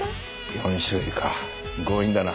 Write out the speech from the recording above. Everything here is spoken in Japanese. ４種類か強引だな。